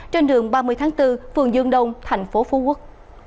trên đường ba mươi tháng bốn phường dương đông thành phố phú quốc